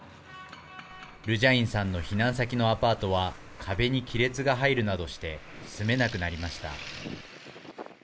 ルジャインさんの避難先のアパートは壁に亀裂が入るなどして住めなくなりました。